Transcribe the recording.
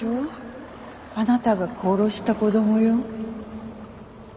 あなたが殺した子供よ。